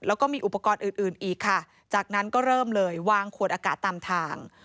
แล้วก็มีอุปกรณ์อื่นอื่นอีกค่ะจากนั้นก็เริ่มเลยวางขวดอากาศตามทาง